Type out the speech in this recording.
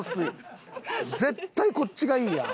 絶対こっちがいいやん。